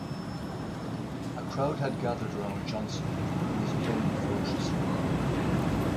A crowd had gathered around Johnson, who was playing ferociously.